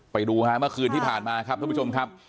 ไปดูฮะเมื่อคืนที่ผ่านมาครับท่านผู้ชมครับ